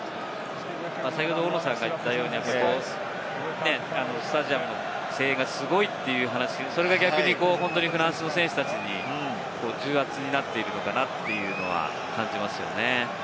先ほど大野さんが言ったように、スタジアムの声援がすごいという話、それが逆にフランスの選手たちの重圧になっているのかなっていうのは感じますよね。